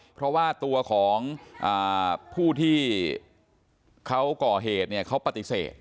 เพราะว่าตัวของผู้ที่เขาก่อเหตุเนี่ยเขาปฏิเสธ